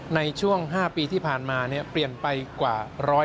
ในช่วง๕ปีที่ผ่านมาเปลี่ยนไปกว่า๑๐๐